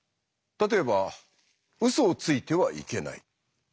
例えば「うそをついてはいけない」。